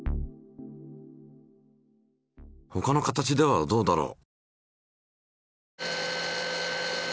ほかの形ではどうだろう？